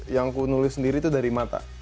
yang aku nulis sendiri itu dari mata